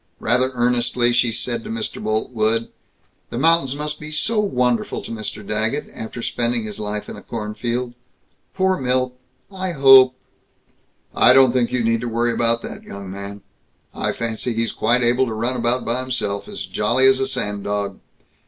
Rather earnestly she said to Mr. Boltwood: "The mountains must be so wonderful to Mr. Daggett, after spending his life in a cornfield. Poor Milt! I hope " "I don't think you need to worry about that young man. I fancy he's quite able to run about by himself, as jolly as a sand dog.